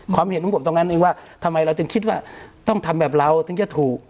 ความเห็นข้อมูลของผมตรงนั้นว่าทำไมเราจึงคิดว่าต้องทำแบบเราถึงจะถูก